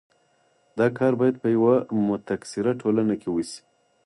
دا کار باید په یوه متکثره ټولنه کې وشي.